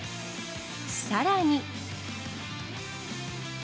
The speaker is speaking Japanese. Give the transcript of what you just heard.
さらに。